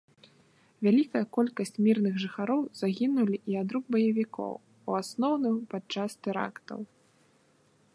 Вялікая колькасць мірных жыхароў загінулі і ад рук баевікоў, у асноўным падчас тэрактаў.